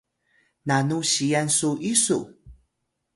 nanu siyan su isu?